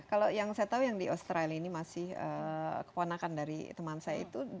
kalau yang saya tahu yang di australia ini masih keponakan dari teman saya itu